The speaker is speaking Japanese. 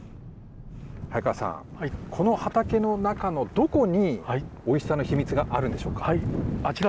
早川さん、この畑の中のどこに、おいしさの秘密があるんでしょうか。